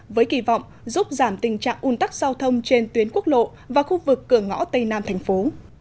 với kỳ vọng giúp giảm tình trạng un tắc giao thông trên tuyến quốc lộ và khu vực cửa ngõ tây nam thành phố